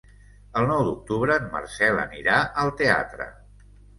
El nou d'octubre en Marcel anirà al teatre.